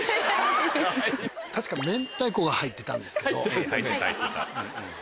確か明太子が入ってたんですけど。